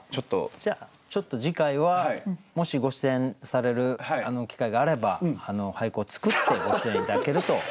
じゃあちょっと次回はもしご出演される機会があれば俳句を作ってご出演頂けると。